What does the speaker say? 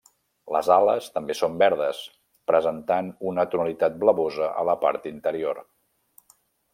Les ales també són verdes, presentant una tonalitat blavosa a la part interior.